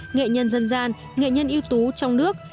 nghệ nhân dân gian nghệ nhân yếu tố trong nước